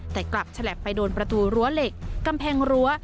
แต่กลับฉลับไปโดนประตูรั้วเหล็กกำแพงรั้ว